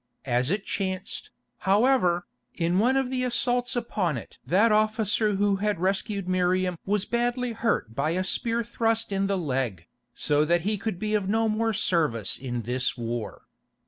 As it chanced, however, in one of the assaults upon it that officer who had rescued Miriam was badly hurt by a spear thrust in the leg, so that he could be of no more service in this war.